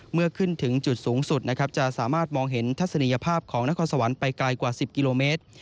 เมื่อขึ้นถึงจุดสูงสุดนะครับจะสามารถมองเห็นทัศนียภาพของนครสวรรค์ไปไกลกว่า๑๐กิโลเมตร